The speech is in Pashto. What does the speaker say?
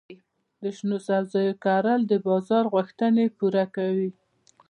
د شنو سبزیو کرل د بازار غوښتنې پوره کوي.